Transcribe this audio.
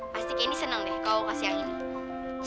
pasti candy senang deh kalau kasih yang ini